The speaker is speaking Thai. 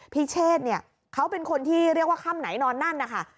พิเชษเนี่ยเขาเป็นคนที่เรียกว่าค่ำไหนนอนนั่นนะคะ